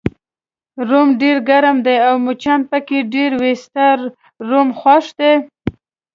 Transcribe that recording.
روم ډېر ګرم دی او مچان پکې ډېر وي، ستا روم خوښ دی؟